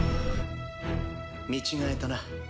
見違えたな。